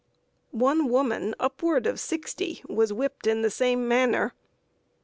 One woman upward of sixty was whipped in the same manner.